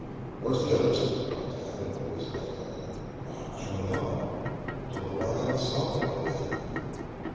"Where's the other two?" cried Tad in a voice of anxiety. "I don't know. Don't know where I am myself," groaned Ned.